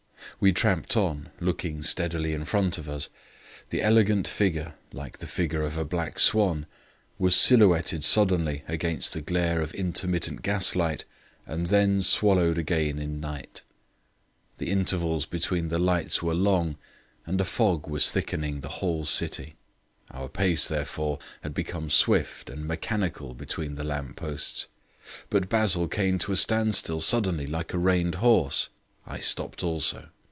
We tramped on, looking steadily in front of us. The elegant figure, like the figure of a black swan, was silhouetted suddenly against the glare of intermittent gaslight and then swallowed again in night. The intervals between the lights were long, and a fog was thickening the whole city. Our pace, therefore, had become swift and mechanical between the lamp posts; but Basil came to a standstill suddenly like a reined horse; I stopped also.